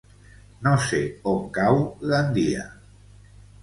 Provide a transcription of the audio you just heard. No sé on cau Gandia.